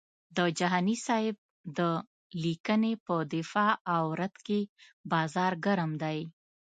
د جهاني صاحب د لیکنې په دفاع او رد کې بازار ګرم دی.